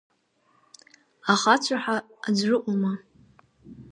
Ахацәа ҳәа аӡәрыҟоума!